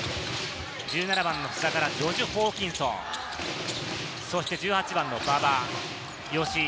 １７番の須田からジョシュ・ホーキンソン、１８番の馬場、吉井。